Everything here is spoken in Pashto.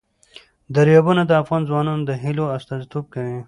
دریابونه د افغان ځوانانو د هیلو استازیتوب کوي.